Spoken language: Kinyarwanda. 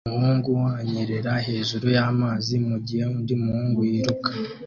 Umuhungu anyerera hejuru y'amazi mugihe undi muhungu yiruka